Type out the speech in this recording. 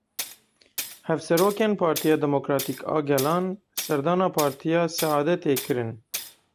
Hevserokên Partiya Demokratîk a Gelan serdana Partiya Seadetê kirin.